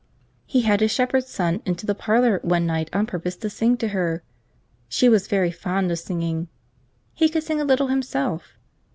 He had his shepherd's son into the parlour one night on purpose to sing to her. She was very fond of singing. He could sing a little himself.